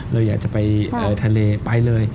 เราอยากจะไปทะเลไปเลย